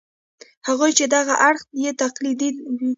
هغوی چې دغه اړخ یې تقلیدي وي.